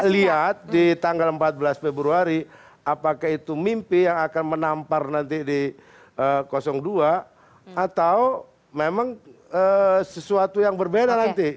lihat di tanggal empat belas februari apakah itu mimpi yang akan menampar nanti di dua atau memang sesuatu yang berbeda nanti